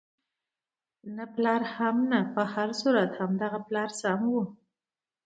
نه پلار هم نه، په هر صورت همدغه پلار سم وو.